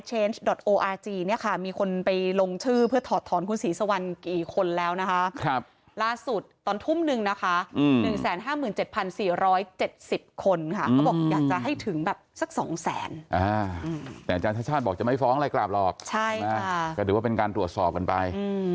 ก็ถือว่าเป็นการตรวจสอบกันไป